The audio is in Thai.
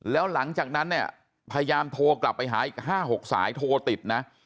แล้วหลังจากนั้นเนี่ยพยายามโทรกลับไปหาอีก๕๖สายโทรติดนะ